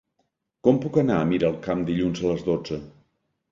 Com puc anar a Miralcamp dilluns a les dotze?